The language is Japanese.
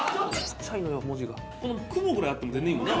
この雲ぐらいあっても全然いいもんな。